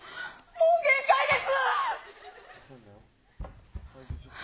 もう限界です。